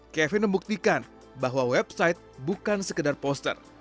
kevin membuktikan bahwa website bukan sekedar poster